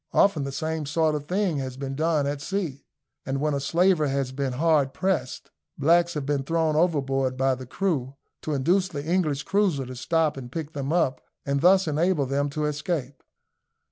Often the same sort of thing has been done at sea, and when a slaver has been hard pressed, blacks have been thrown overboard by the crew, to induce the English cruiser to stop and pick them up, and thus enable them to escape.